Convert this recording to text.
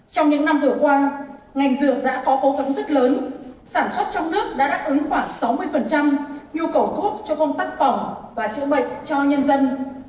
trong những năm vừa qua ngành dược đã có cố gắng rất lớn sản xuất trong nước đã đáp ứng khoảng sáu mươi nhu cầu thuốc cho công tác phòng và chữa bệnh cho nhân dân